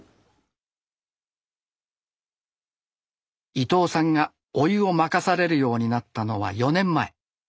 伊藤さんがお湯を任されるようになったのは４年前。